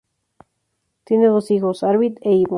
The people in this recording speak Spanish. Tienen dos hijos, Arvid e Ivo.